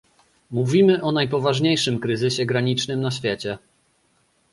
Mówimy o najpoważniejszym kryzysie granicznym na świecie